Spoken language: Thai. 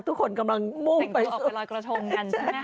ทุกคนกำลังโม่งไปใช่ไหมคะ